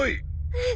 えっ。